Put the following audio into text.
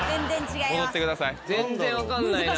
全然分かんないな。